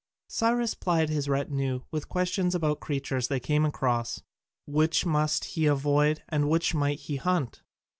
Cyrus plied his retinue with questions about the creatures they came across, which must he avoid and which might he hunt?